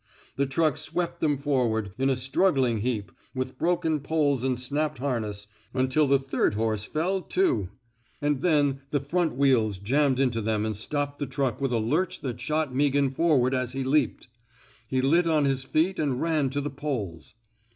The truck swept them forward, in a struggling heap, with broken poles and snapped harness, until the third horse fell, too ; and then the front wheels jammed into them and stopped the truck with a lurch that shot Meaghan forward as he leaped. He lit on his feet and ran to the poles.